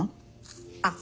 あっ。